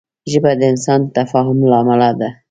ژبه د انساني تفاهم ملا ده